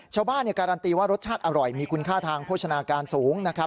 ชาวบ้านการันตีว่ารสชาติอร่อยมีคุณค่าทางโภชนาการสูงนะครับ